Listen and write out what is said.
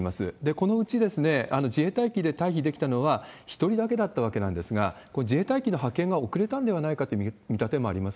このうち、自衛隊機で退避できたのは１人だけだったわけなんですが、これ、自衛隊機の派遣が遅れたんではないかという見立てがあります